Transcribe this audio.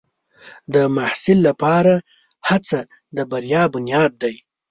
د محصل لپاره هڅه د بریا بنیاد دی.